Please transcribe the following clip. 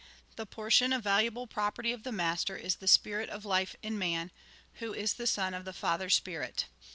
The portion of valuable property of the master is the Spirit of life in man, who is the son of the Father Spirit.